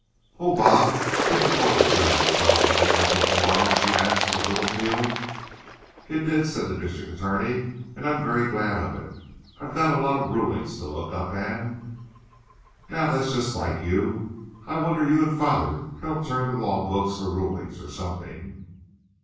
"Oh, Bob, didn't court adjourn at twelve to day until to morrow?" she asked of Littlefield. "It did," said the district attorney, "and I'm very glad of it. I've got a lot of rulings to look up, and—" "Now, that's just like you. I wonder you and father don't turn to law books or rulings or something!